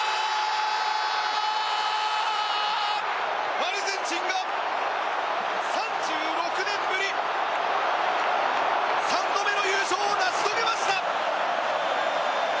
アルゼンチンが３６年ぶり３度目の優勝を成し遂げました！